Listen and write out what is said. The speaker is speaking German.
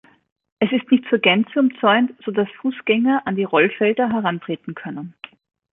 Es ist nicht zur Gänze umzäunt, sodass Fußgänger an die Rollfelder herantreten können.